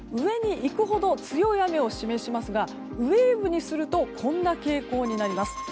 こちら、上にいくほど強い雨を示しますがウェーブにするとこんな傾向になります。